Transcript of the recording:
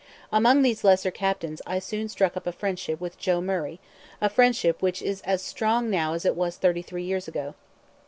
Among these lesser captains I soon struck up a friendship with Joe Murray, a friendship which is as strong now as it was thirty three years ago.